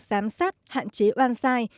giám sát hạn chế oan sai